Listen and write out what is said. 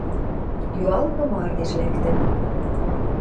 Юалгы мардеж лӓктӹн.